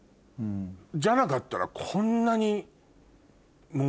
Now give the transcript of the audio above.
じゃなかったらこんなに。